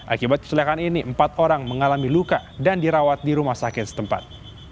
akibat kecelakaan ini empat orang mengalami luka dan dirawat di rumah sakit setempat